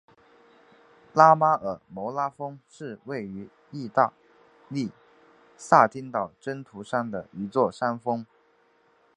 拉马尔摩拉峰是位于义大利撒丁岛真图山的一座山峰。